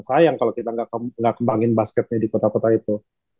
sayang kalau kita nggak kembangin basketnya di kota kota itu